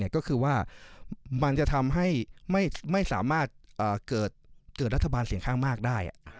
ก็คือว่ามันจะทำให้ไม่สามารถเกิดรัฐบาลเสียงข้างมากได้